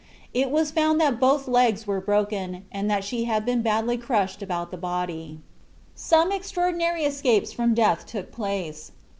It was found that both legs were broken and that she had been badly crushed about the body. Some extraordinary escapes from death took place.